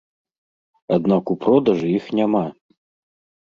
Аднак у продажы іх няма!